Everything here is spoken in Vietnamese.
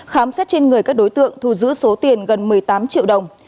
khám xét trên người các đối tượng thu giữ số tiền gần một mươi tám triệu đồng